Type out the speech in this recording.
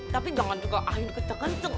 tapi jangan juga air kecenceng